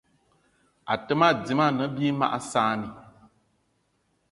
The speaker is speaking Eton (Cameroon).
Àtə́ mâ dímâ ne bí mag saanì